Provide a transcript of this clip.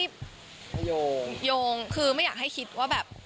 โยงโยงคือไม่อยากให้คิดว่าแบบ